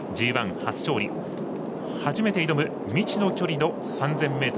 初めて挑む未知の距離の３０００ｍ。